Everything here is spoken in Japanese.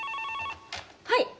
☎はい。